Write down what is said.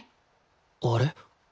あれ？